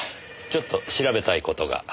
ちょっと調べたい事が。